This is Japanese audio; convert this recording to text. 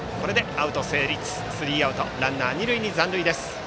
スリーアウトランナー二塁に残塁です。